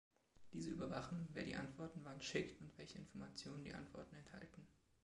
Diese überwachen, wer die Antworten wann schickt und welche Informationen die Antworten enthalten.